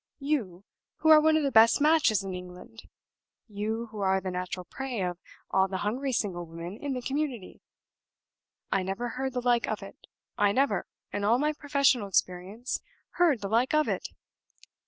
You, who are one of the best matches in England! You, who are the natural prey of all the hungry single women in the community! I never heard the like of it; I never, in all my professional experience, heard the like of it!